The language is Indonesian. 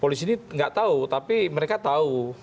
polisi ini nggak tahu tapi mereka tahu